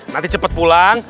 nanti cepet pulang